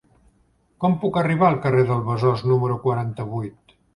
Com puc arribar al carrer del Besòs número quaranta-vuit?